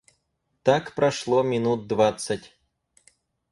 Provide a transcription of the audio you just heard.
Так прошло минут двадцать.